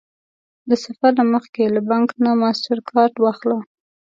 د سفر نه مخکې له بانک نه ماسټرکارډ واخله